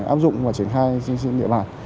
áp dụng và triển khai trên địa bàn